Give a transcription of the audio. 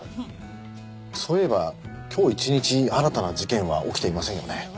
そういえば今日一日新たな事件は起きていませんよね。